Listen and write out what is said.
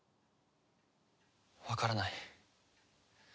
わからない。